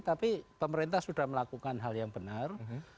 tapi pemerintah sudah melakukan hal yang benar